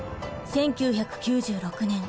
１９９６年。